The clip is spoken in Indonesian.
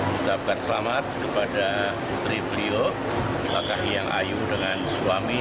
ucapkan selamat kepada putri beliau kahiyang ayu dengan suami